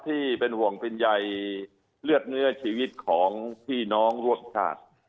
ที่เป็นห่วงเป็นใยเลือดเนื้อชีวิตของพี่น้องร่วมชาติ